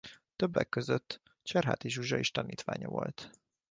Többek között Cserháti Zsuzsa is tanítványa volt.